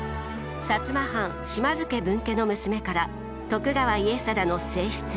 摩藩島津家分家の娘から徳川家定の正室に。